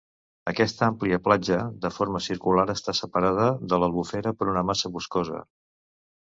Aquesta àmplia platja de forma circular està separada de l'albufera per una massa boscosa.